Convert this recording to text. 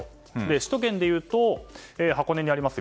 首都圏でいうと箱根にあります